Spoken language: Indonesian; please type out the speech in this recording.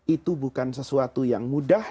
itu bukan sesuatu yang mudah